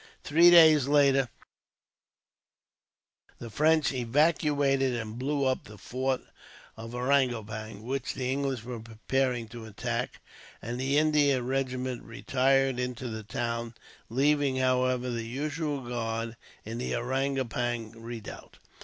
Three days later the French evacuated and blew up the fort of Ariangopang, which the English were preparing to attack, and the India regiment retired into the town, leaving, however, the usual guard in the Ariangopang redoubt.